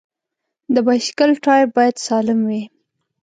د بایسکل ټایر باید سالم وي.